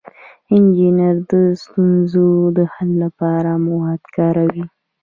انجینر د ستونزو د حل لپاره مواد کاروي.